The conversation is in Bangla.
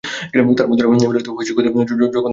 তবে বন্ধুরা মিলে হইচই করতে করতে যখন যাই, তখন ভালোই লাগে।